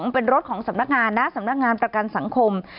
เป็นรถของสำนักงานนะสำนักงานประกันสังคม